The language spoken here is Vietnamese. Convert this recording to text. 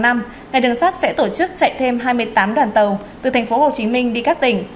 ngày đường sát sẽ tổ chức chạy thêm hai mươi tám đoàn tàu từ thành phố hồ chí minh đi các tỉnh